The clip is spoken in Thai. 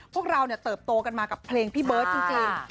พวกเราเติบโตกันมากับเพลงพี่เบิร์ตจริง